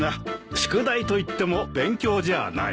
宿題といっても勉強じゃない。